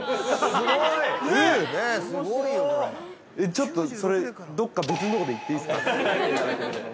ちょっとそれ、どこか別のとこで言っていいですか。